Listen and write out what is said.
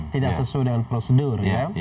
tidak sesuai dengan prosedur